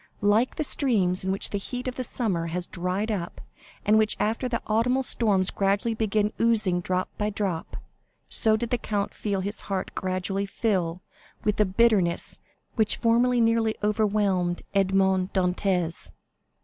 Like the streams which the heat of the summer has dried up, and which after the autumnal storms gradually begin oozing drop by drop, so did the count feel his heart gradually fill with the bitterness which formerly nearly overwhelmed Edmond Dantès.